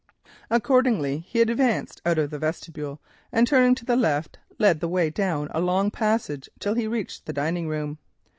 Accordingly he advanced out of the vestibule, and turning to the left, led the way down a long passage till he reached the dining room.